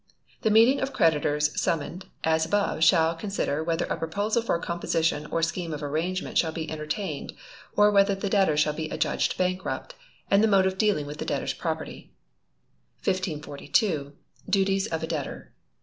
The meeting of creditors summoned as above shall consider whether a proposal for a composition or scheme of arrangement shall be entertained, or whether the debtor shall be adjudged bankrupt, and the mode of dealing with the debtor's property. 1542. Duties of Debtor.